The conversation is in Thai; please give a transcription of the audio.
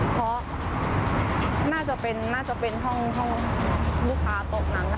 เพราะน่าจะเป็นห้องลูกค้าโต๊ะนั้นนะค่ะ